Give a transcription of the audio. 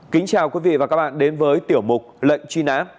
kính chào quý vị và các bạn đến với tiểu mục lệnh truy nã